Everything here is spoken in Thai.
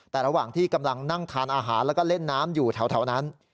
แต่ระหว่างที่กำลังนั่งทานอาหารแล้วก็เล่นน้ำอยู่แถวนั้น